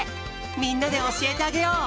みんなでおしえてあげよう。